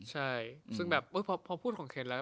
ใช่ซึ่งแบบพอพูดของเคนแล้ว